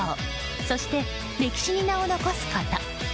そして、歴史に名を残すこと。